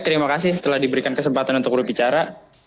terima kasih telah diberikan kesempatan untuk berbicara